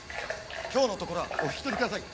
今日のところはお引き取りください。